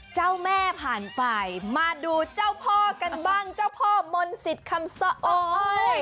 เจ้าแม่ผ่านไปมาดูเจ้าพ่อกันบ้างเจ้าพ่อมนต์สิทธิ์คำสะอ้อย